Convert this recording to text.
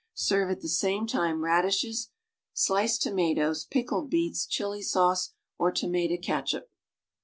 Serve at the same time radishes, sliced tomatoes, pickled beets, chili sauce or tomato catsup.